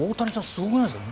すごくないですか？